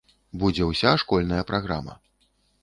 Будзе ўся школьная праграма!